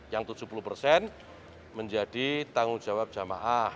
yang tujuh puluh persen menjadi tanggung jawab jamaah